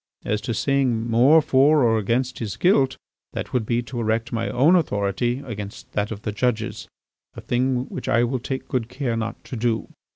As to saying more for or against his guilt, that would be to erect my own authority against that of the judges, a thing which I will take good care not to do.